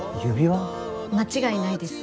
間違いないです。